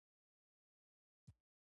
د خدای رحمت ډېر پراخه دی.